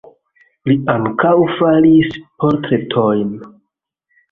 Li ankaŭ faris portretojn.